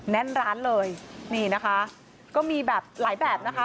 แน่นร้านเลยนี่นะคะก็มีแบบหลายแบบนะคะ